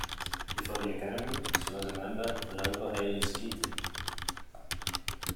Before the academy, she was a member of the local Hailey Ski Team.